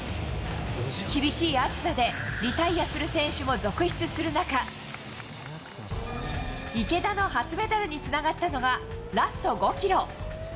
厳しい暑さでリタイアする選手も続出する中池田の初メダルにつながったのがラスト５ｋｍ。